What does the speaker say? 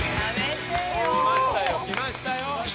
きましたよ。